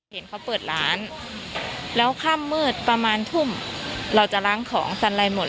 เห็นเขาเปิดร้านแล้วค่ำมืดประมาณทุ่มเราจะล้างของสันไลหมด